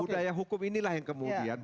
budaya hukum inilah yang kemudian